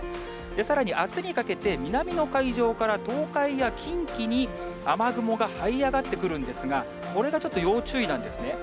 さらにあすにかけて、南の海上から東海や近畿に雨雲がはい上がってくるんですが、これがちょっと要注意なんですね。